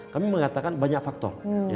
kami mengatakan banyak faktor